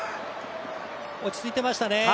落ち着いてましたね